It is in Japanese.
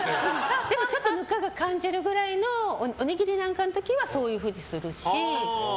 でもちょっとぬかが感じるくらいのおにぎりなんかの時はそういうふうにするし。